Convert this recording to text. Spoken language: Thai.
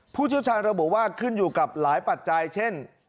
ผู้เชี่ยวชาญระบุว่าขึ้นอยู่กับหลายปัจจัยเช่น